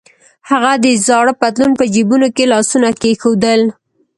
هغه د زاړه پتلون په جبونو کې لاسونه کېښودل.